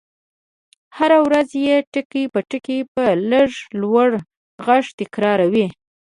هره ورځ يې ټکي په ټکي په لږ لوړ غږ تکراروئ.